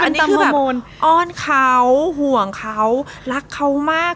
อันนี้คืออ้อนเขาห่วงเขารักเขามาก